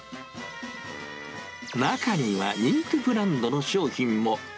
中には人気ブランドの商品も。